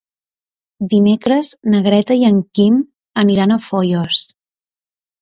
Dimecres na Greta i en Guim aniran a Foios.